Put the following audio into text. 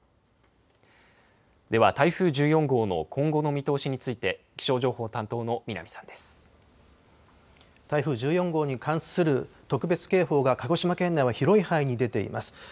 では、台風１４号の今後の見通しについて台風１４号に関する特別警報が鹿児島県内は広い範囲に出ています。